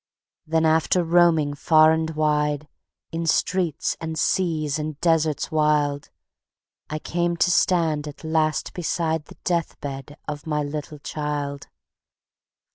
Then after roamings far and wide, In streets and seas and deserts wild, I came to stand at last beside The death bed of my little child.